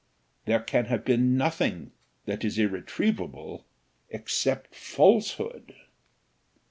There can have been nothing that is irretrievable, except falsehood."